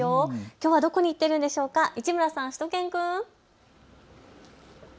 きょうはどこに行っているんでしょうか、市村さん、しゅと犬くん。